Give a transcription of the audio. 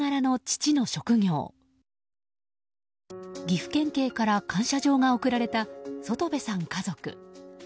岐阜県警から感謝状が贈られた外部さん家族。